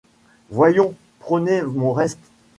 Voyons, prenez mon reste.